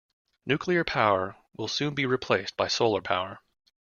Nuclear power will soon be replaced by solar power.